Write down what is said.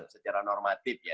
secara normatif ya